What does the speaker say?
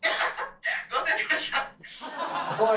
おい！